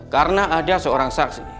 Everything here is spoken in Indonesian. karena ada seorang saksi